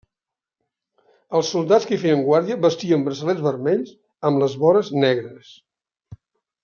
Els soldats que hi feien guàrdia vestien braçalets vermells amb les vores negres.